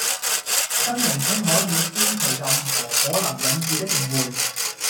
新名稱可以消除任何可能引致的誤會